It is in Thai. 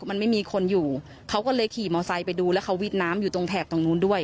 มันไม่มีคนอยู่เขาก็เลยขี่มอไซค์ไปดูแล้วเขาวิดน้ำอยู่ตรงแถบตรงนู้นด้วย